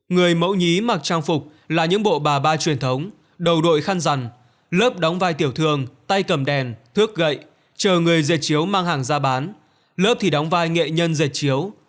người mẫu nhí mặc trang phục là những bộ bà ba truyền thống đầu đội khăn rằn lớp đóng vai tiểu thường tay cầm đèn thước gậy chờ người dệt chiếu mang hàng ra bán lớp thì đóng vai nghệ nhân dệt chiếu